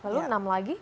lalu enam lagi